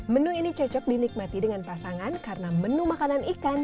menu ini cocok dinikmati dengan pasangan karena menu makanan ikan